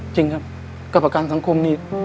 จริงครับกับอาการสังคมนี่